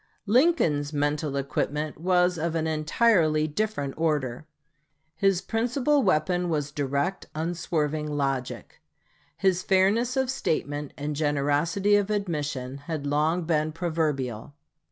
Lincoln's mental equipment was of an entirely different order. His principal weapon was direct, unswerving logic. His fairness of statement and generosity of admission had long been proverbial.